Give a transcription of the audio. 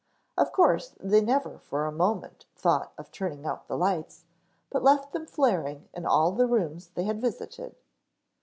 Of course they never for a moment thought of turning out the lights, but left them flaring in all the rooms they had visited.